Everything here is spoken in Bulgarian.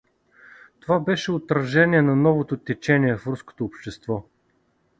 Това беше отражение на новото течение в руското общество.